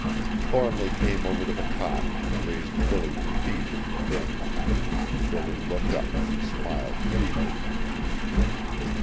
Thornly came over to the cot and raised Billy to feed him the drink. Billy looked up and smiled feebly.